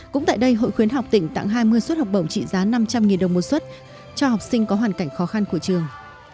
cũng tại đây hội khuyến học tỉnh tặng hai mươi suất học bổng trị giá năm trăm linh đồng một xuất cho học sinh có hoàn cảnh khó khăn của trường